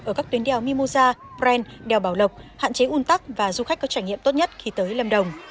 ở các tuyến đèo mimosa pren đèo bảo lộc hạn chế un tắc và du khách có trải nghiệm tốt nhất khi tới lâm đồng